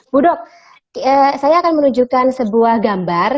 budok saya akan menunjukkan sebuah gambar